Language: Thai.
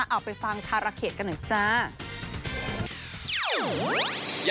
เอาไปฟังคาราเขตกันหน่อยจ้า